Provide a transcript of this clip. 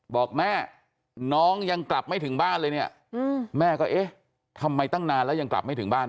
บอกแม่น้องยังกลับไม่ถึงบ้านเลยเนี่ยแม่ก็เอ๊ะทำไมตั้งนานแล้วยังกลับไม่ถึงบ้าน